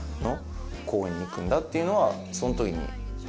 ていうのはそのときに。